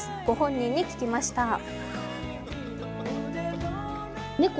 ご本人に聞きました。